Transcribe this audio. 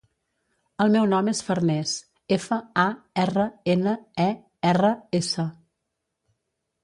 El meu nom és Farners: efa, a, erra, ena, e, erra, essa.